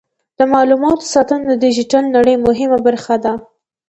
د معلوماتو ساتنه د ډیجیټل نړۍ مهمه برخه ده.